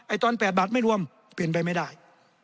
ตอน๘บาทไม่รวมเปลี่ยนไปไม่ได้